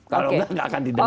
kalau nggak nggak akan didengar